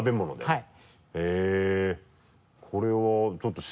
はい。